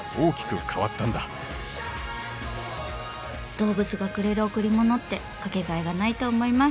動物がくれる贈り物って掛けがえがないと思います。